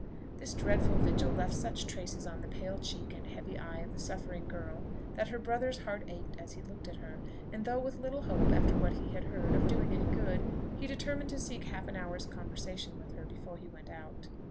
This dreadful vigil left such traces on the pale cheek and heavy eye of the suffering girl, that her brother's heart ached as he looked at her; and though with little hope, after what he had heard, of doing any good, he determined to seek half an hour's conversation with her before he went out.